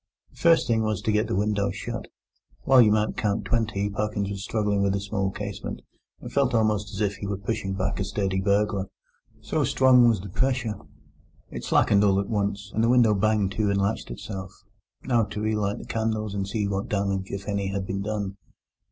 The first thing was to get the window shut. While you might count twenty Parkins was struggling with the small casement, and felt almost as if he were pushing back a sturdy burglar, so strong was the pressure. It slackened all at once, and the window banged to and latched itself. Now to relight the candles and see what damage, if any, had been done.